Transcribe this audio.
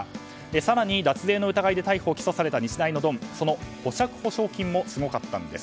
更に脱税の疑いで逮捕された日大のドンその保釈保証金もすごかったんです。